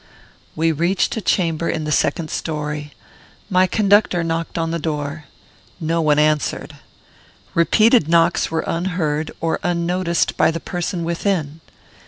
We reached a chamber in the second story. My conductor knocked at the door. No one answered. Repeated knocks were unheard or unnoticed by the person within.